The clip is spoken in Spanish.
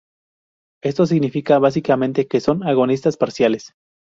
Esto significa básicamente que son agonistas parciales.